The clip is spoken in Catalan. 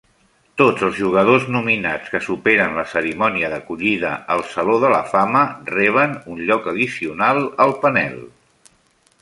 Tots els jugadors nominats que superen la cerimònia d'acollida al saló de la fama reben un lloc addicional al panel.